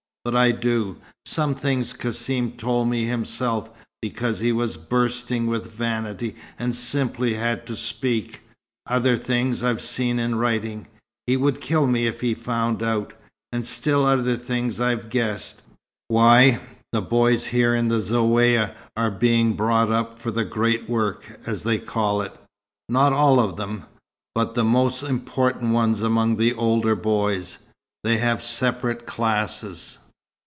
But I do. Some things Cassim told me himself, because he was bursting with vanity, and simply had to speak. Other things I've seen in writing he would kill me if he found out. And still other things I've guessed. Why, the boys here in the Zaouïa are being brought up for the 'great work,' as they call it. Not all of them but the most important ones among the older boys. They have separate classes.